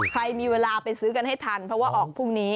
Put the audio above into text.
ใครมีเวลาไปซื้อกันให้ทันเพราะว่าออกพรุ่งนี้